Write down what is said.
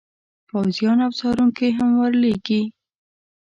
پوځیان او څارونکي هم ور لیږي.